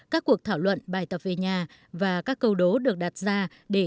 các cuộc thảo luận bài tập về nhà và các câu đố được đặt ra để